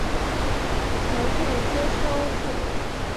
条件接收系统。